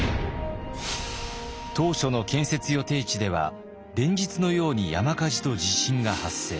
当初の建設予定地では連日のように山火事と地震が発生。